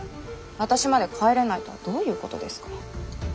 私まで帰れないとはどういうことですか。